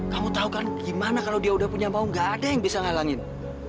kamu tahu kan gimana kalau dia udah punya mau nggak ada yang bisa ngelangin